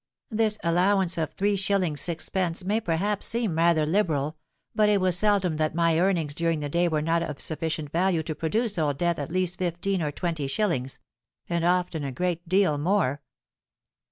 This allowance of 3_s._ 6_d._ may perhaps seem rather liberal; but it was seldom that my earnings during the day were not of sufficient value to produce Old Death at least fifteen or twenty shillings—and often a great deal more.